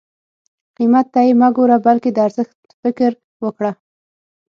قیمت ته یې مه ګوره بلکې د ارزښت فکر وکړه.